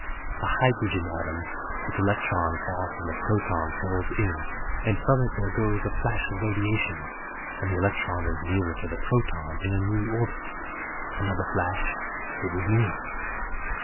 A hydrogen atom its electron far from the proton falls in, and from it there goes a flash of radiation, and the electron is nearer to the proton, in a new orbit. Another flash it is nearer.